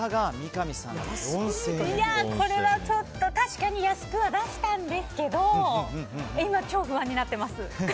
これは、ちょっと確かに安くは出したんですけど今、超不安になってます。